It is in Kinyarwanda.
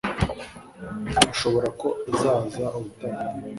ashobora ko azaza ubutaha